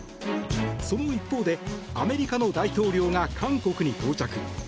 その一方でアメリカの大統領が韓国に到着。